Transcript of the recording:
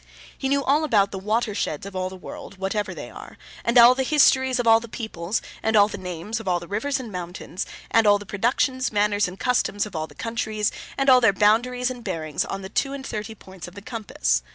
He knew all about all the Water Sheds of all the world (whatever they are), and all the histories of all the peoples, and all the names of all the rivers and mountains, and all the productions, manners, and customs of all the countries, and all their boundaries and bearings on the two and thirty points of the compass.